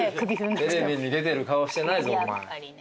テレビに出てる顔してないぞお前。